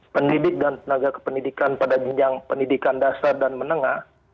pendidik dan tenaga kependidikan pada jenjang pendidikan dasar dan menengah